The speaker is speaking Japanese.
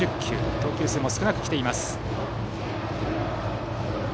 投球数も少なくきています。